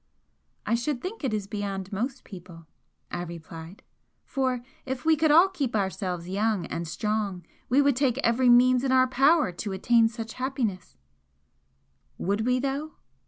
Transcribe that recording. "I should think it is beyond most people," I replied "For if we could all keep ourselves young and strong we would take every means in our power to attain such happiness " "Would we, though?"